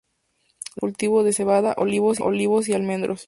Destacan el cultivo de cebada, olivos y almendros.